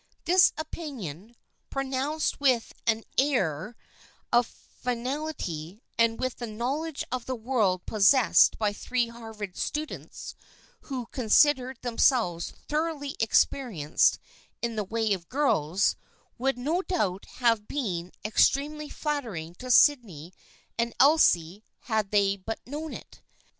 This opinion, pronounced with an ail 156 THE FRIENDSHIP OF ANNE of finality, and with the knowledge of the world possessed by three Harvard students who consid ered themselves thoroughly experienced in the ways of girls, would no doubt have been ex tremely flattering to Sydney and Elsie had they but known it.